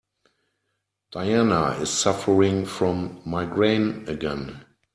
Diana is suffering from migraine again.